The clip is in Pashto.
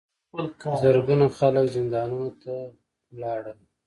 زرګونه خلک زندانونو ته لاړل.